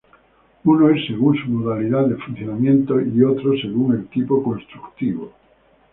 Uno es según su modalidad de funcionamiento y otro según el tipo constructivo.